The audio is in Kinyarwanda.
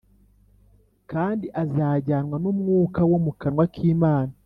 kandi azajyanwa n’umwuka wo mu kanwa k’imana